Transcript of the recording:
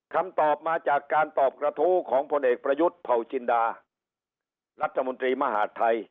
คำตอบมาจากการตอบกระทู้ของพลเอกประยุทธ์เผาจินดารัฐมนตรีมหาดไทย